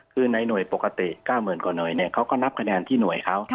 คือในหน่วยปกติ๙๐๐กว่าหน่วยเขาก็นับคะแนนที่หน่วยเขา